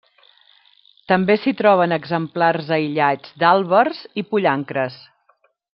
També s'hi troben exemplars aïllats d'àlbers i pollancres.